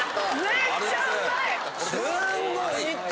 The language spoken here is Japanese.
めっちゃうまい。